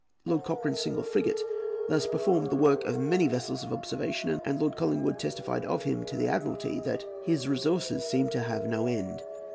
Lord Cochrane's single frigate thus performed the work of many vessels of observation, and Lord Collingwood testified of him to the Admiralty that "his resources seemed to have no end."